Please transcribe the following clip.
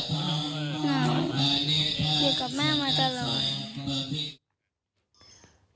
อยู่กับแม่มาตลอด